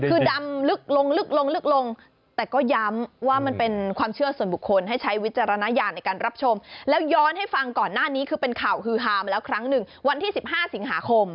คือดำลึกลงลึกลงลึกลงแต่ก็ย้ำว่ามันเป็นความเชื่อส่วนบุคคลให้ใช้วิจารณญาณในการรับชมแล้วย้อนให้ฟังก่อนหน้านี้คือเป็นข่าวฮือฮามาแล้วครั้งหนึ่งวันที่๑๕สิงหาคม